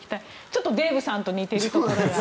ちょっとデーブさんと似ているところが。